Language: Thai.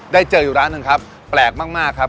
เจออยู่ร้านหนึ่งครับแปลกมากครับ